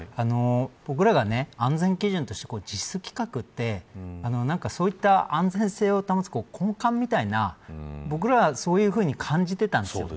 僕らが、安全基準としてＪＩＳ規格ってそういった安全性を保つ根幹みたいな僕らは、そういうふうに感じてたんです。